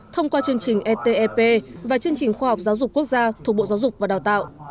thông qua chương trình etep và chương trình khoa học giáo dục quốc gia thuộc bộ giáo dục và đào tạo